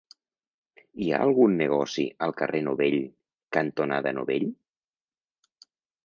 Hi ha algun negoci al carrer Novell cantonada Novell?